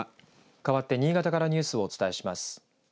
かわって新潟からニュースをお伝えします。